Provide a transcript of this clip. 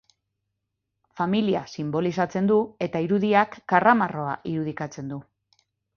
Familia sinbolizatzen du eta irudiak karramarroa irudikatzen du.